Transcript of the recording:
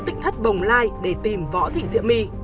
tỉnh thất bồng lai để tìm võ thị diễm my